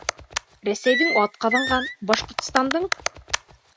Рәсәйҙең атҡаҙанған, Башҡортостандың